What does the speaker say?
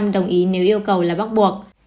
bảy sáu đồng ý nếu yêu cầu là bắt buộc